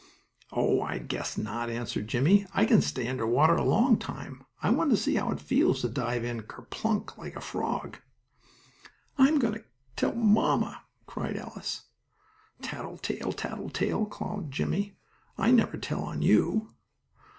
"Oh, I guess not," answered Jimmie. "I can stay under water a long time. I want to see how it feels to dive in ker plunk! like a frog." "I'm going to tell mamma," cried Alice. "Tattle tale! Tattle tale!" called Jimmie. "I never tell on you!"